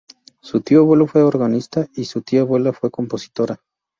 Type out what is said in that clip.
Su tío abuelo fue organista, y su tía abuela fue compositora.